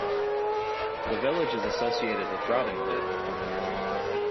The village is associated with Robin Hood.